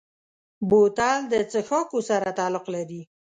بوتل د څښاکو سره تعلق لري.